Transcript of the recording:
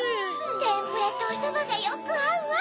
てんぷらとおそばがよくあうわ。